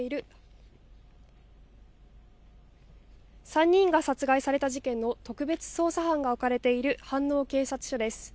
３人が殺害された事件の特別捜査班が置かれている飯能警察署です。